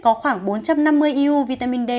có khoảng bốn trăm năm mươi eu vitamin d